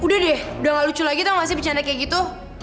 udah deh udah gak lucu lagi tau masih bercanda kayak gitu